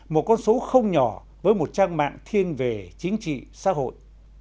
một con số không nhỏ với một trang mạng thiên về chính trị xã hội